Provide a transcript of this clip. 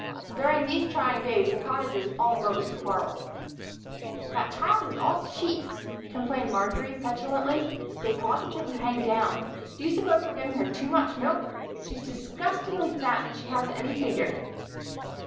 During these trying days the Cottagers almost quarreled. "That child is all cheeks," complained Marjory, petulantly. "They positively hang down. Do you suppose we're giving her too much milk? She's disgustingly fat, and she hasn't any figure."